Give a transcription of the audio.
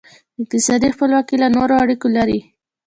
اقتصادي خپلواکي له نورو اړیکې لري.